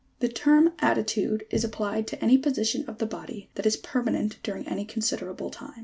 ] The term attitude is applied to any position of the body that is permanent during any considerable time.